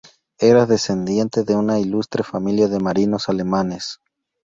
Era descendiente de una ilustre familia de marinos alemanes.